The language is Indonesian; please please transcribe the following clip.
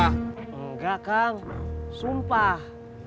enggak kang sumpah